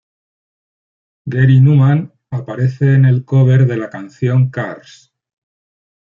Gary Numan aparece en el cover de la canción "Cars".